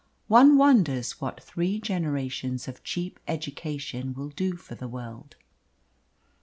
One wonders what three generations of cheap education will do for the world.